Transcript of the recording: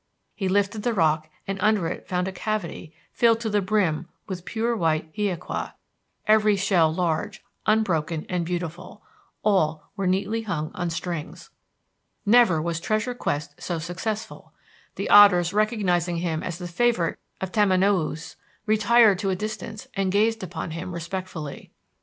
He lifted the rock and under it found a cavity filled to the brim with pure white hiaqua, every shell large, unbroken and beautiful. All were hung neatly on strings. Never was treasure quest so successful! The otters, recognizing him as the favorite of Tamanoüs, retired to a distance and gazed upon him respectfully.